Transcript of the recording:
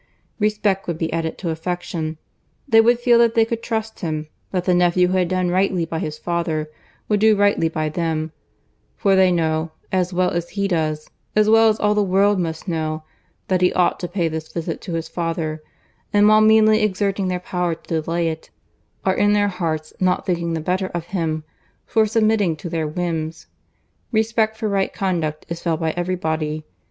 Respect would be added to affection. They would feel that they could trust him; that the nephew who had done rightly by his father, would do rightly by them; for they know, as well as he does, as well as all the world must know, that he ought to pay this visit to his father; and while meanly exerting their power to delay it, are in their hearts not thinking the better of him for submitting to their whims. Respect for right conduct is felt by every body.